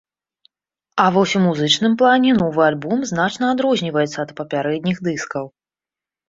А вось у музычным плане новы альбом значна адрозніваецца ад папярэдніх дыскаў.